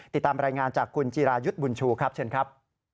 ติดตามรายงานจากคุณจิรายุทธ์บุญชูครับเชิญครับ